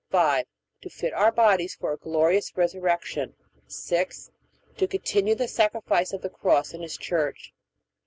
5. To fit our bodies for a glorious resurrection. 6. To continue the sacrifice of the Cross in His Church.